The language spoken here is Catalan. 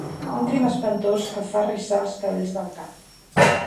Un crim espantós que fa rissar els cabells del cap!